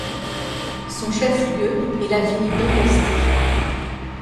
Son chef-lieu est la ville d'Ancasti.